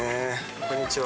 こんにちは。